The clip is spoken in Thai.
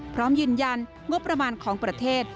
พร้อมยืนยันงบประมาณของประเทศ